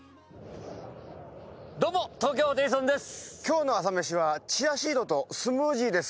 どうも東京ホテイソンです。